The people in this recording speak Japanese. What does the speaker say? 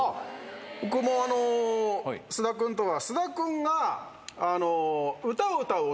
僕も菅田君とは。